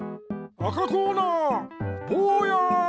赤コーナーぼうや！